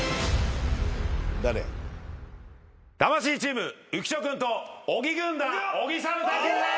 魂チーム浮所君と小木軍団小木さんの対決です！